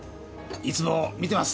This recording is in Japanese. いつも見てます。